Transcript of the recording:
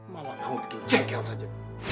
malah kamu bikin cekel saja